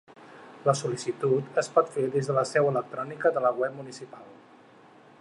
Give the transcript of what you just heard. La sol·licitud es pot fer des de la seu electrònica de la web municipal.